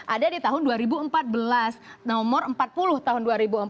ada di tahun dua ribu empat belas nomor empat puluh tahun dua ribu empat belas